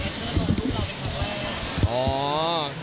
เธอหลงรูปเราเป็นของอะไร